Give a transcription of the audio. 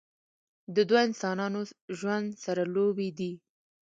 د دوه انسانانو ژوند سره لوبې دي